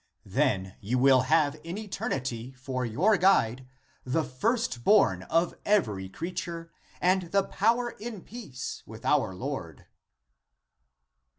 ^ Then you will have in eternity for your guide the first born of every creature and the power in peace with our Lord."